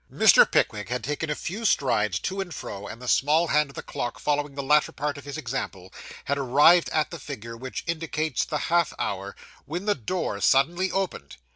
Mr. Pickwick had taken a few strides to and fro; and the small hand of the clock following the latter part of his example, had arrived at the figure which indicates the half hour, when the door suddenly opened.